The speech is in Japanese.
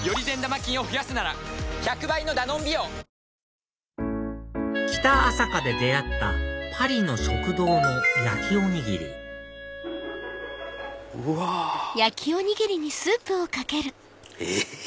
あこれ間違いないでしょ北朝霞で出会ったパリの食堂の焼きおにぎりうわ。え？